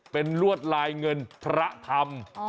เป็นลวดลายเงินพระธรรม